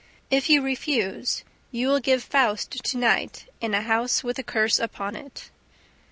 If you refuse, you will give FAUST to night in a house with a curse upon it.